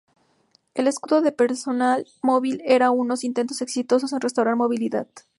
El escudo de personal móvil era un menos intento exitoso en restaurar movilidad.